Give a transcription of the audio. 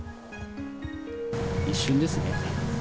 一瞬ですね。